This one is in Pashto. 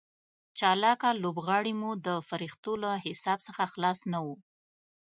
چالاکه لوبغاړي مو د فرښتو له حساب څخه خلاص نه وو.